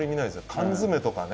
缶詰とかね